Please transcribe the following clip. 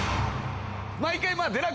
毎回まあ